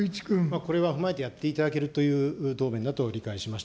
これは踏まえてやっていただけるという答弁だと理解しました。